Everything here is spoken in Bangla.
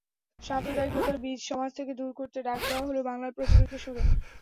সাম্প্রদায়িকতার বীজ সমাজ থেকে দূর করতে ডাক দেওয়া হলো বাংলার প্রচলিত সুরে।